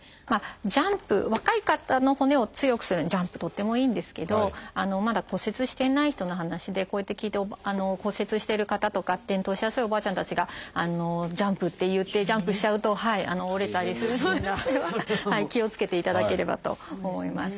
ジャンプ若い方の骨を強くするのにジャンプとってもいいんですけどまだ骨折していない人の話でこうやって聞いて骨折してる方とか転倒しやすいおばあちゃんたちがジャンプっていってジャンプしちゃうと折れたりするので気をつけていただければと思います。